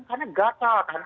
karena gatal kan